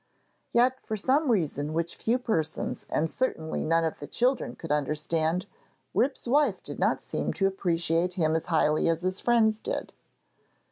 Yet, for some reason which few persons and certainly none of the children could understand, Rip's wife did not seem to appreciate him as highly as his friends did.